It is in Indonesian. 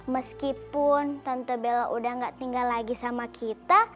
meskipun tante bella udah enggak tinggal lagi sama kita